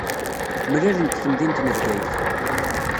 Mlalen deg temdint n Bgayet.